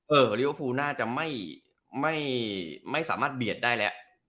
ลิเวอร์ฟูน่าจะไม่สามารถเบียดได้แล้ว